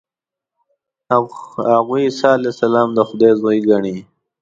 هغوی عیسی علیه السلام د خدای زوی ګڼي.